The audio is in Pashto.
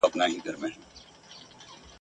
چي هر څه يې شاوخوا پسي نارې كړې !.